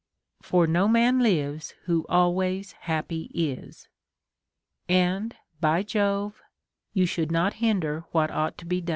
For no man lives who always happy is.* And, by Jove, you should not hinder what ought to be done.